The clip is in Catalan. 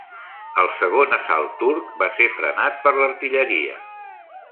Un segon assalt turc va ser frenat per l'artilleria.